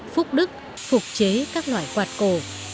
phúc đức phục chế các loại quạt cổ